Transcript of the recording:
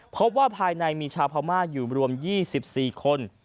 พบว่าภายในมีชาวพม่าอยู่รวม๒๔คน